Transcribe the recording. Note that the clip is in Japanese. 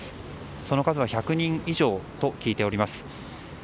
その数は１００人以上と聞いております。